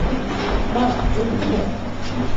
মা, ড্রিংক দিবো?